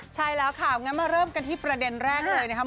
ใช่แล้วค่ะงั้นมาเริ่มกันที่ประเด็นแรกเลยนะครับ